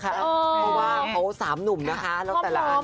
เพราะว่าเพราะสามหนุ่มนะคะแล้วแต่ละหนึ่ง